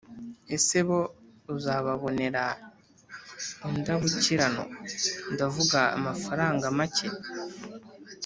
Ese bo uzababonera Indabukirano ndavuga amafaranga make